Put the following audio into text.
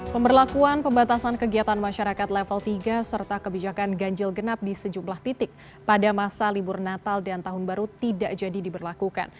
pemberlakuan pembatasan kegiatan masyarakat level tiga serta kebijakan ganjil genap di sejumlah titik pada masa libur natal dan tahun baru tidak jadi diberlakukan